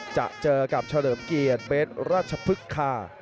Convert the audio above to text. จะเจอกับเฉลิมเกียรติเบสราชพฤกษา